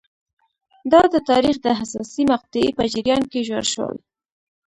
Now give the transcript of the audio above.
دا د تاریخ د حساسې مقطعې په جریان کې ژور شول.